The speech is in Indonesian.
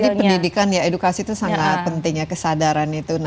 jadi pendidikan edukasi itu sangat penting kesadaran itu